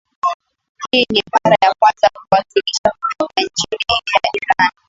hii ni mara ya kwanza waakilishi kutoka nchi ya iran